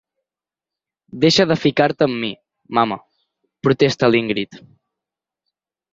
Deixa de ficar-te amb mi, mamà —protesta l'Ingrid—.